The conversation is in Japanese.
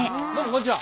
こんにちは。